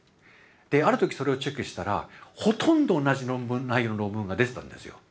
である時それをチェックしたらほとんど同じ内容の論文が出てたんですよ。